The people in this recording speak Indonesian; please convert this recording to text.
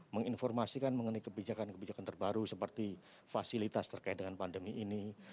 menginformasikan mengenai kebijakan kebijakan terbaru seperti fasilitas terkait dengan pandemi ini